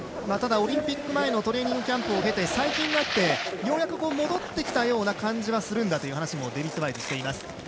ただ、オリンピック前のトレーニングキャンプを経て最近になってようやく戻ってきたような感じはするんだという話をデイビッド・ワイズ、しています。